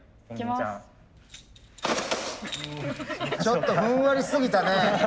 ちょっとふんわりすぎたね。